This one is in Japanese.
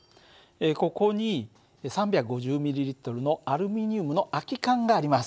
ここに３５０ｍＬのアルミニウムの空き缶があります。